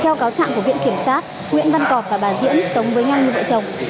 theo cáo trạng của viện kiểm sát nguyễn văn cọp và bà diễm sống với nhau như vợ chồng